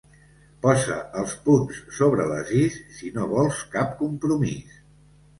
Posa els punts sobre les is si no vols cap compromís.